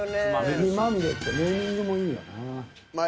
「葱まみれ」ってネーミングもいいんよなぁ。